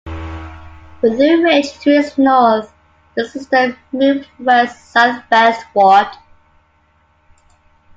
With a ridge to its north, the system moved west-southwestward.